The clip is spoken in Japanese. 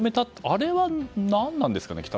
あれは何なんですかね？